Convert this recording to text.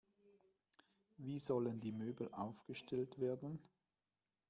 Wie sollen die Möbel aufgestellt werden?